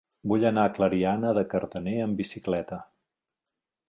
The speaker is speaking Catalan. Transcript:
Vull anar a Clariana de Cardener amb bicicleta.